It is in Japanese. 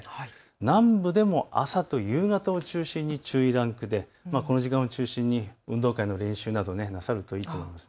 南部でも朝と夕方を中心に注意ランクでこの時間を中心に運動会の練習などをなさるといいと思います。